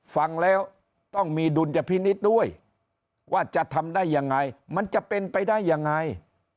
ฟังแล้วต้องมีดุลยพินิษฐ์ด้วยว่าจะทำได้ยังไงมันจะเป็นไปได้ยังไง